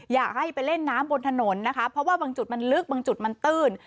อยากให้ไปเล่นน้ำบนถนนนะคะเพราะว่าบางจุดมันลึกบางจุดมันตื้น